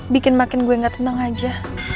bikin makin gue gak tenang aja